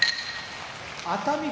熱海